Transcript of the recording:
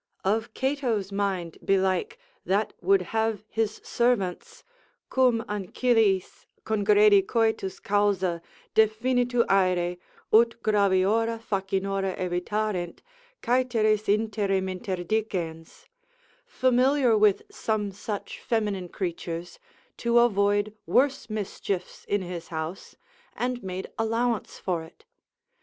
Of Cato's mind belike, that would have his servants (cum ancillis congredi coitus causa, definito aere, ut graviora facinora evitarent, caeteris interim interdicens) familiar with some such feminine creatures, to avoid worse mischiefs in his house, and made allowance for it.